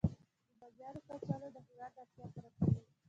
د بامیان کچالو د هیواد اړتیا پوره کوي